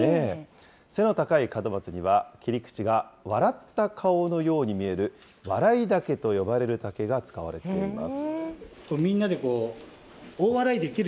背の高い門松には、切り口が笑った顔のように見える笑い竹と呼ばれる竹が使われています。